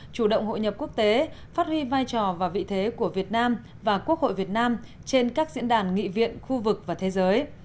chủ động hội nhập quốc tế phát huy vai trò và vị thế của việt nam và quốc hội việt nam trên các diễn đàn nghị viện khu vực và thế giới